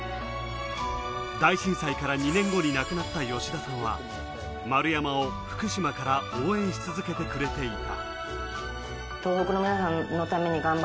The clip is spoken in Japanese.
大震災から２年後に亡くなった吉田さんは、丸山を福島から応援し続けてくれていた。